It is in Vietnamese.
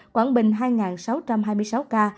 quảng bình hai sáu trăm hai mươi sáu ca